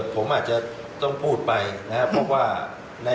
ผมอาจจะต้องพูดไปนะฮะ